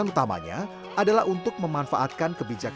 alasan utamanya adalah untuk memanfaatkan kendaraan listrik